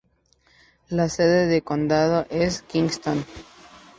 La sede de condado es Kingston.